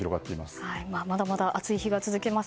まだまだ暑い日がい続きます。